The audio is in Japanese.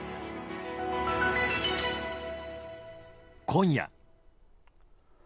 今夜。